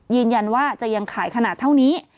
ยืนยันว่าจะยังขายขนาดเท่านี้